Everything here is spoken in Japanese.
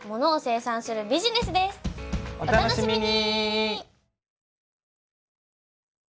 お楽しみに！